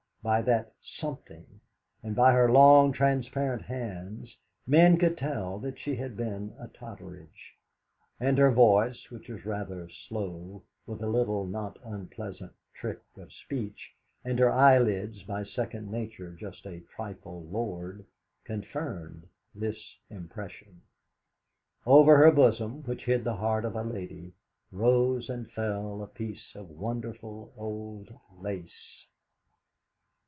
By that "something," and by her long, transparent hands, men could tell that she had been a Totteridge. And her voice, which was rather slow, with a little, not unpleasant, trick of speech, and her eyelids by second nature just a trifle lowered, confirmed this impression. Over her bosom, which hid the heart of a lady, rose and fell a piece of wonderful old lace.